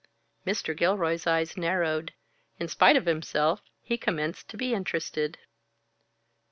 Mr. Gilroy's eyes narrowed. In spite of himself, he commenced to be interested.